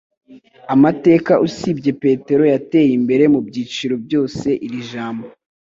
Amateka usibye, Petero yateye imbere mubyiciro byose iri jambo